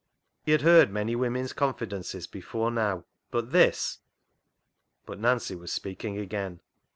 He had heard many women's con fidences before now, but this —. But Nancy was speaking again.